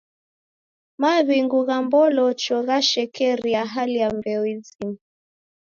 Maw'ingu gha m'bolocho ghashekeria hali ya mbeo izamie.